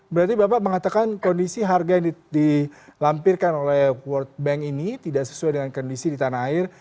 berarti bapak mengatakan kondisi harga yang dilampirkan oleh world bank ini tidak sesuai dengan kondisi di tanah air